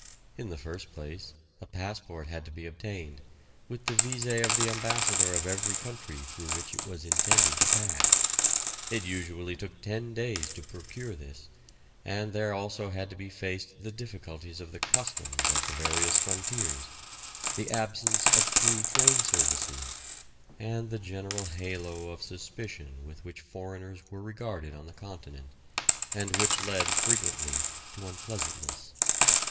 In the first place, a passport had to be obtained, with the visé of the ambassador of every country through which it was intended to pass. It usually took ten days to procure this, and there also had to be faced the difficulties of the Customs at the various frontiers, the absence of through train services, and the general halo of suspicion with which foreigners were regarded on the continent, and which led frequently to unpleasantness.